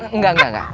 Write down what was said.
enggak enggak enggak